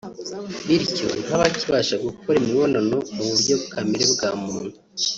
bityo ntabe akibasha gukora imibonano mu buryo kamere bwa muntu